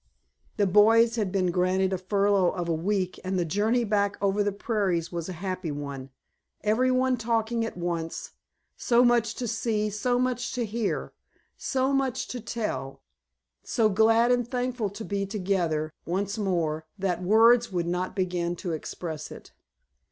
The boys had been granted a furlough of a week, and the journey back over the prairies was a happy one, every one talking at once, so much to see, so much to hear, so much to tell, so glad and thankful to be together once more that words would not begin to express it.